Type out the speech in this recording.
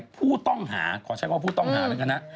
ผู้ต้องหาขอใช้คำว่าผู้ต้องหาแล้วกันนะ